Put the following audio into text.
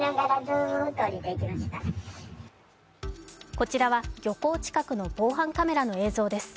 こちらは漁港近くの防犯カメラの映像です。